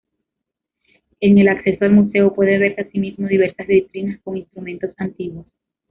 En el acceso al Museo pueden verse asimismo diversas vitrinas con instrumentos antiguos.